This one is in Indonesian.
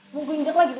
mau gehejek lagi dulu